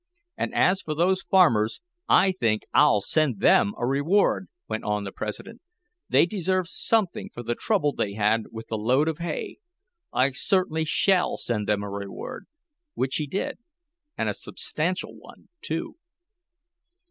"And as for those farmers, I think I'll send them a reward," went on the president. "They deserve something for the trouble they had with the load of hay. I certainly shall send them a reward," which he did, and a substantial one, too.